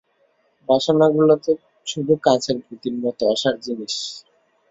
বাসনাগুলো তো শুধু কাচের পুঁতির মত অসার জিনিষ।